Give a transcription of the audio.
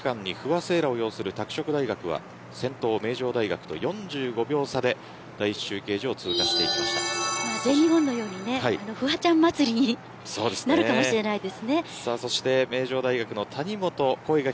さらにはエース区間に不破聖衣来を擁する拓殖大学は先頭、名城大学と４５秒差で第１中継所を全日本のようにフワちゃん祭りになるかもしれないですね。